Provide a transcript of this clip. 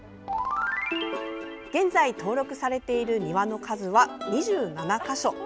現在、登録されている庭の数は２７か所。